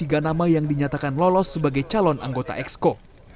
dan sebanyak lima puluh tiga nama yang dinyatakan lolos sebagai calon anggota eksko